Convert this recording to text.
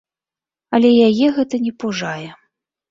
Але яе гэта не пужае.